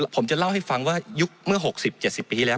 ผมจะเล่าให้ฟังว่ายุคเมื่อ๖๐๗๐ปีที่แล้ว